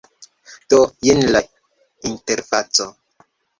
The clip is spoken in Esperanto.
Do, jen la interfaco